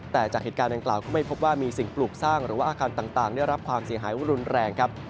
แต่จากเหตุการณ์ดังกล่าวก็ไม่พบว่ามีสิ่งปลูกสร้างหรือว่าอาคารต่างได้รับความเสียหายรุนแรงครับ